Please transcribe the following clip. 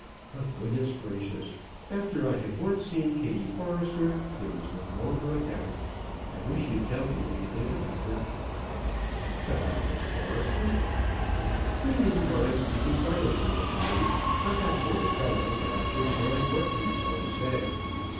But, goodness gracious, after I had once seen Kattie Forrester, there was no longer a doubt. I wish you'd tell me what you think about her." "About Miss Forrester?" "You needn't mind speaking quite openly to me. I'm that sort of fellow that I shouldn't mind what any fellow said.